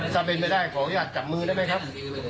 ถ้าเป็นไปได้ขออนุญาตจับมือได้ไหมครับ